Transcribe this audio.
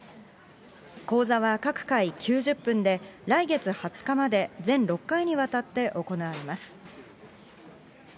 講座は各回９０分で、来月２０日まで全６回にわたって行われます。